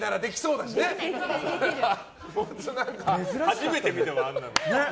初めて見たよ、あんなの。